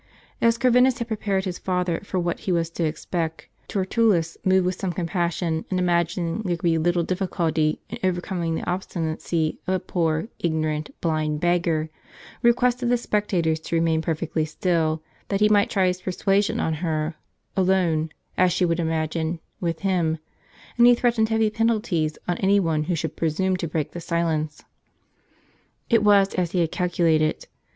As Corviniis had prepared his father for what he was to expect, TertuUus, moved with some compassion, and imagin ing there could be little difficulty in overcoming the obstinacy of a poor, ignorant, blind beggar, requested the spectators to remain perfectly still, that he might try his persuasion on her, alone, as she would imagine, wdth him ; and he threat ened heavy penalties on any one who should presume to break the silence. It was as he had calculated.